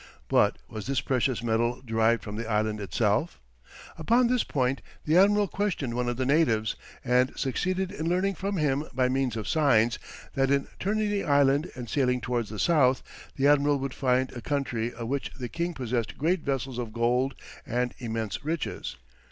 But was this precious metal derived from the island itself? Upon this point the admiral questioned one of the natives, and succeeded in learning from him by means of signs, that in turning the island and sailing towards the south, the admiral would find a country of which the king possessed great vessels of gold and immense riches.